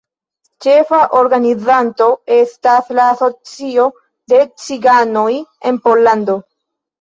Ĉefa organizanto estas la Asocio de Ciganoj en Pollando.